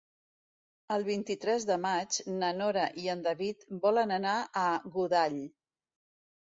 El vint-i-tres de maig na Nora i en David volen anar a Godall.